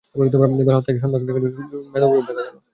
ভোর বেলায় হত্যাকারী সম্বন্ধে লোকজনের মধ্যে মতবিরোধ দেখা দিল।